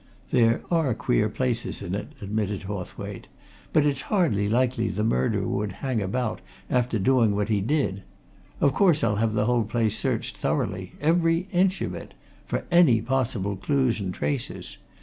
"There are queer places in it," admitted Hawthwaite. "But it's hardly likely the murderer would hang about after doing what he did. Of course I'll have the whole place searched thoroughly every inch of it! for any possible clues and traces.